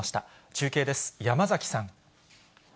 中継です、山崎さん。